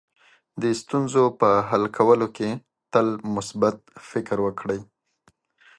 د ستونزو په حل کولو کې تل مثبت فکر وکړئ.